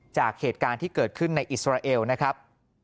จากเหตุการณ์ที่เกิดขึ้นในอิสราเอลนะครับ